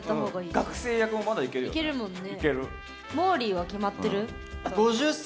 学生役もまだいけるよね。